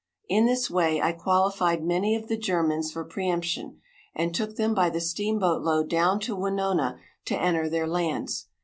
In this way I qualified many of the Germans for preëmption, and took them by the steamboat load down to Winona to enter their lands.